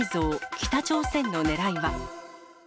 北朝鮮のねらいは？